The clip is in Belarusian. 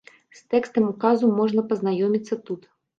З тэкстам указу можна пазнаёміцца тут.